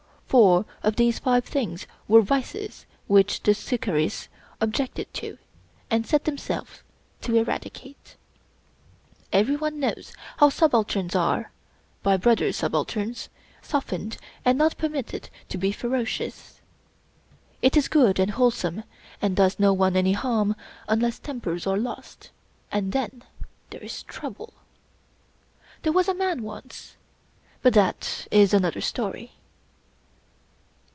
Four of these five things were vices which the " Shikarris " objected to and set themselves to eradicate. Everyone knows how subalterns are, by brother subalterns, softened and not permitted to be ferocious. It is good and whole some, and does no one any harm, unless tempers are lost; and then there is trouble. There was a man once — ^but that is another story.